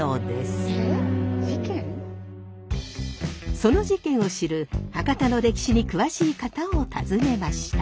その事件を知る博多の歴史に詳しい方を訪ねました。